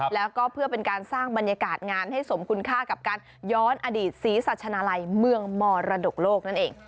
แล้วก็เพื่อเป็นการสร้างบรรยากาศงานให้สมคุณค่ากับการย้อนอดีตศรีสัชนาลัยเมืองมรดกโลกนั่นเอง